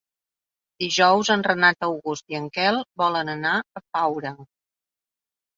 Dijous en Renat August i en Quel volen anar a Faura.